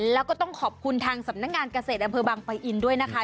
แล้วก็ต้องขอบคุณทางสำนักงานเกษตรอำเภอบังปะอินด้วยนะคะ